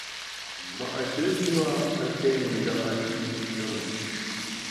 Ma’she yua a pé nja’ ne ne ma !